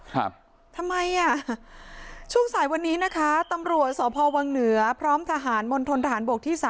ครับทำไมอ่ะช่วงสายวันนี้นะคะตำรวจสภวังเหนือพร้อมทหารบนทลฐาน๓๒